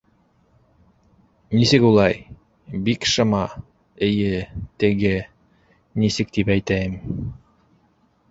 Нисек улай... бик шыма, эйе, теге... нисек тип әйтәйем...